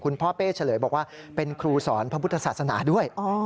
พ่อเป้เฉลยบอกว่าเป็นครูสอนพระพุทธศาสนาด้วย